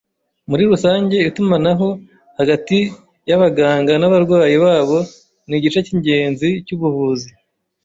Muri rusange, itumanaho hagati yabaganga n’abarwayi babo nigice cyingenzi cyubuvuzi